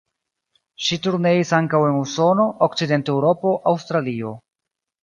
Ŝi turneis ankaŭ en Usono, Okcident-Eŭropo, Aŭstralio.